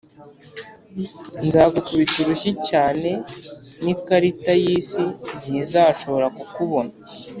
nzagukubita urushyi cyane ni karita yisi ntizashobora kukubona.